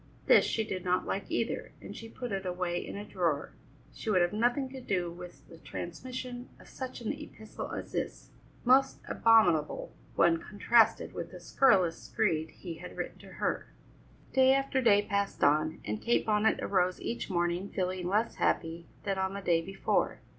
This she did not like either, and she put it away in a drawer; she would have nothing to do with the transmission of such an epistle as this. Most abominable when contrasted with the scurrilous screed he had written to her. Day after day passed on, and Kate Bonnet arose each morning feeling less happy than on the day before.